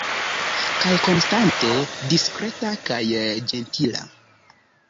Kaj konstante diskreta kaj ĝentila.